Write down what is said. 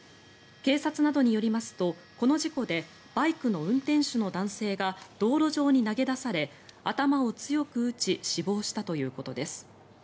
警察などによりますとこの事故でバイクの運転手の男性が道路上に投げ出され頭を強く打ち死亡したということです。